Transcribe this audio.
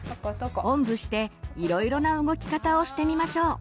おんぶしていろいろな動き方をしてみましょう。